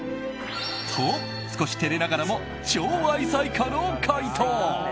と、少し照れながらも超愛妻家の回答。